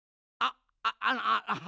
あっあっ。